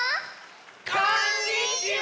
こんにちは！